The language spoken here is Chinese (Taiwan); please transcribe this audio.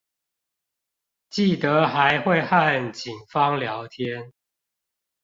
記得還會和警方聊天